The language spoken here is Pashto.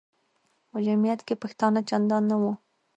په جمیعت کې پښتانه چندان نه وو.